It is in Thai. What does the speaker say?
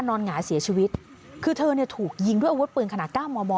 หงายเสียชีวิตคือเธอเนี่ยถูกยิงด้วยอาวุธปืนขนาดเก้ามอมอ